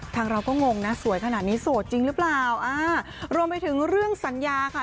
ทางเราก็งงนะสวยขนาดนี้โสดจริงหรือเปล่าอ่ารวมไปถึงเรื่องสัญญาค่ะ